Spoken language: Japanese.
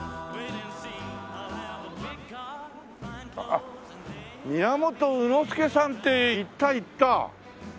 あっ宮本卯之助さんって行った行った！